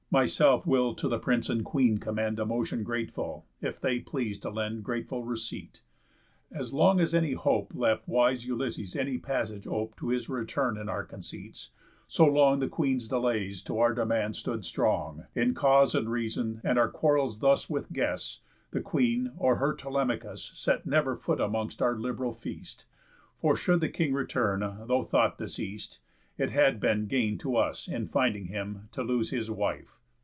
Myself will to the Prince and Queen commend A motion grateful, if they please to lend Grateful receipt. As long as any hope Left wise Ulysses any passage ope To his return in our conceits, so long The Queen's delays to our demands stood strong In cause and reason, and our quarrels thus With guests, the Queen, or her Telemachus, Set never foot amongst our lib'ral feast; For should the King return, though thought deceas'd, It had been gain to us, in finding him, To lose his wife.